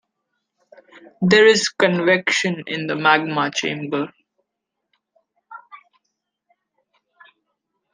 There is convection in the magma chamber.